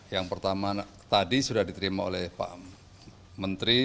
yang pertama tadi sudah diterima oleh pak menteri